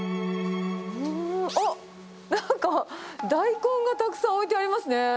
あっ、なんか大根がたくさん置いてありますね。